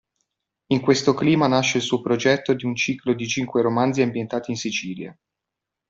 In questo clima nasce il suo progetto di un ciclo di cinque romanzi ambientati in Sicilia.